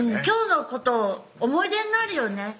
今日のこと思い出になるよね